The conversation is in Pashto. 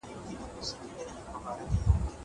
خبري د خلکو له خوا کيږي!!